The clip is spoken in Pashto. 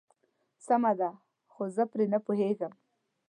سمه ده خو زه پرې نه پوهيږم.